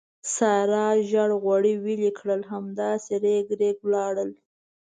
سارې زېړ غوړي ویلې کړل، همداسې رېګ رېګ ولاړل.